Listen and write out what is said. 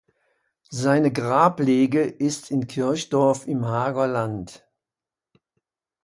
Seine Grablege ist in Kirchdorf im Haager Land.